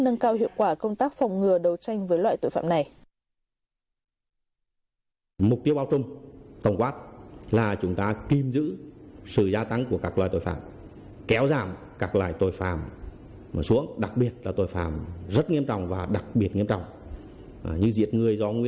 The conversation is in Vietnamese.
nâng cao hiệu quả công tác phòng ngừa đấu tranh với loại tội phạm này